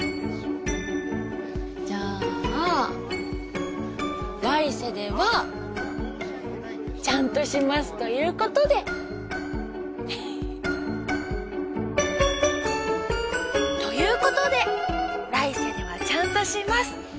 じゃあ来世ではちゃんとしますということで。ということで『来世ではちゃんとします』。